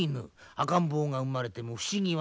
赤ん坊が生まれても不思議はないな。